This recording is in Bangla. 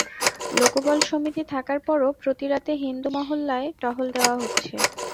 লোকবল সীমিত থাকার পরও প্রতি রাতে হিন্দু মহল্লায় টহল দেওয়া হচ্ছে।